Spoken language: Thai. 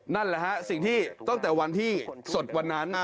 นั่นแหละฮะสิ่งที่ตั้งแต่วันที่สดวันนั้น